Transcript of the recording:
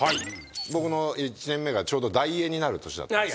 僕の１年目がちょうどダイエーになる年だった。